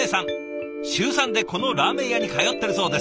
週３でこのラーメン屋に通ってるそうです。